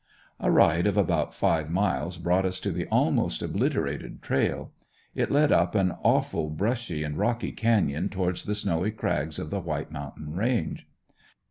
A ride of about five miles brought us to the almost obliterated trail. It lead up an awful brushy and rocky canyon towards the snowy crags of the White Mountain range.